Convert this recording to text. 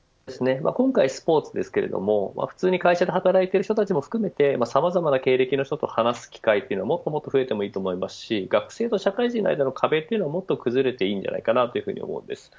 今回はスポーツですけど普通に会社で働いている人たちも含めてさまざまな経歴の人と話す機会がもっと増えていいと思いますし学生と社会人の間の壁はもっと崩れていいと思います。